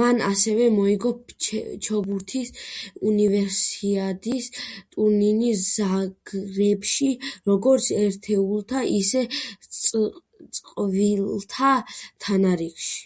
მან ასევე მოიგო ჩოგბურთის უნივერსიადის ტურნირი ზაგრებში, როგორც ერთეულთა, ისე წყვილთა თანრიგში.